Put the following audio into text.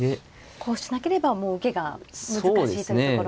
こうしなければもう受けが難しいというところなんですね。